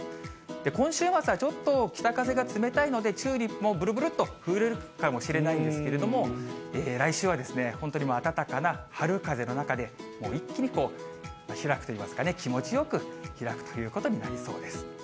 今週末はちょっと北風が冷たいので、チューリップもぶるぶるっと震えるかもしれないんですけど、来週はですね、本当に暖かな春風の中で、一気に開くといいますかね、気持ちよく開くということになりそうです。